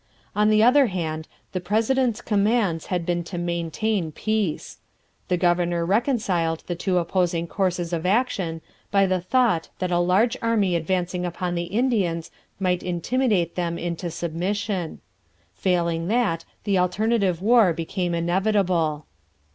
On the other hand, the president's commands had been to maintain peace. The governor reconciled the two opposing courses of action by the thought that a large army advancing upon the Indians might intimidate them into submission. Failing that, the alternative war became inevitable.